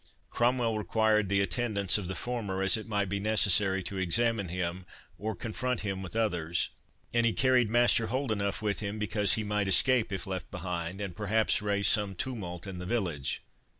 Cromwell required the attendance of the former, as it might be necessary to examine him, or confront him with others; and he carried Master Holdenough with him, because he might escape if left behind, and perhaps raise some tumult in the village.